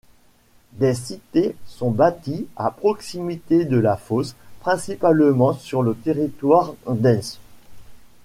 Des cités sont bâties à proximité de la fosse, principalement sur le territoire d'Haisnes.